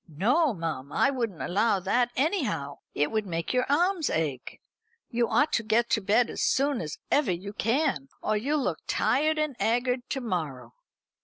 "No, mum, I wouldn't allow that anyhow. It would make your arms ache. You ought to get to bed as soon as ever you can, or you'll look tired and 'aggard to morrow."